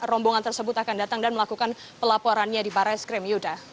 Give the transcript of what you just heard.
rombongan tersebut akan datang dan melakukan pelaporannya di barai skrim yuda